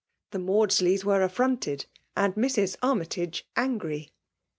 TheMauddeys were affronted, and Mrs. Armytage, angry.